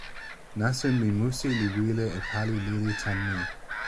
nasin ni li musi li wile e pali lili tan mi.